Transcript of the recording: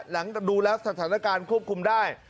ดูแล้วสถานการณ์ควบคุมได้